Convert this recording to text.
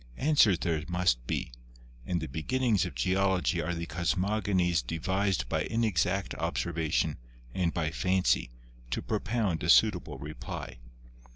Answers there must be, and the beginnings of Geology are the cosmogonies devised by inexact observation and by fancy to propound a suitable reply.